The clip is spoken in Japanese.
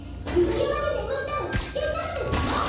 雪山で眠ったら危険なのですよ。